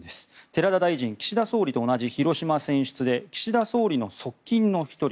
寺田大臣、岸田大臣と同じ広島選出で岸田総理の側近の１人。